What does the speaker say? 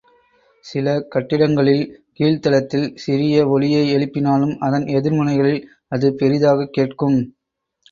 சில கட்டிடங்களில் கீழ்த்தளத்தில் சிறிய ஒலியை எழுப்பினாலும், அதன் எதிர்முனைகளில் அது பெரிதாகக் கேட்கும்.